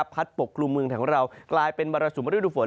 ผลัดปกกลุ่มเมืองแห่งเรากลายเป็นบรรษูมรศุภนธ์